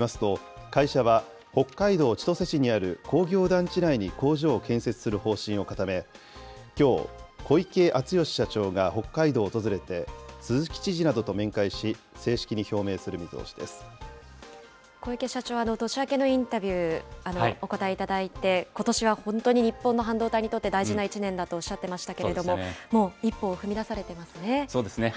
関係者によりますと、会社は北海道千歳市にある工業団地内に工場を建設する方針を固め、きょう、小池淳義社長が北海道を訪れて、鈴木知事などと面会し、正式に表小池社長、年明けのインタビューお応えいただいて、ことしは本当に日本の半導体にとって大事な一年だとおっしゃってましたけれども、もう、一歩踏み出されてそうですね。